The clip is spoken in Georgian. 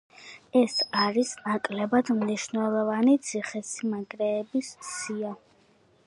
ეს არის ნაკლებად მნიშვნელოვანი ციხესიმაგრეების სია.